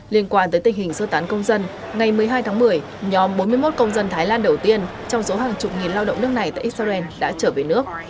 liên quan tới tình hình sơ tán công dân ngày một mươi hai tháng một mươi nhóm bốn mươi một công dân thái lan đầu tiên trong số hàng chục nghìn lao động nước này tại israel đã trở về nước